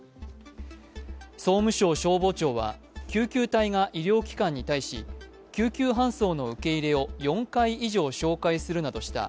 総務省消防庁は救急隊が医療機関に対し救急搬送の受け入れを４回以上照会するなどした